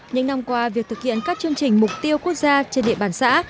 những năm qua việc thực hiện các chương trình mục tiêu quốc gia trên địa bàn xã